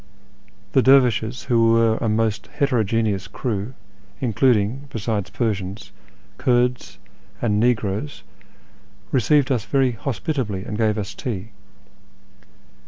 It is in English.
The dervishes, who were a most heterogeneous crew, including, besides Persians, Kurds and negroes, received us very hospitably, and gave us tea.